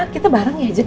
kita bareng ya jess